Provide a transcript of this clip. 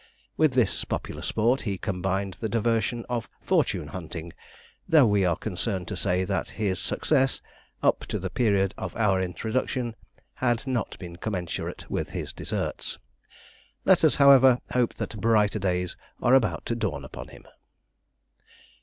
With this popular sport he combined the diversion of fortune hunting, though we are concerned to say that his success, up to the period of our introduction, had not been commensurate with his deserts. Let us, however, hope that brighter days are about to dawn upon him.